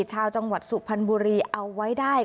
ชาวจังหวัดสุพรรณบุรีเอาไว้ได้